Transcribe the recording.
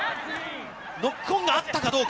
ノックオンがあったかどうか。